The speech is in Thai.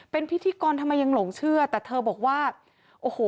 เป็นพิธีกรทำไมยังหลงเชื่อแต่เธอบอกว่าโอ้โห